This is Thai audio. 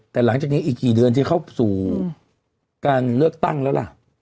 แต่หลังจากนี้อีกกี่เดือนจะเข้าสู่การเลือกตั้งแล้วล่ะ